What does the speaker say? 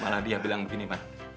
malah dia bilang begini pak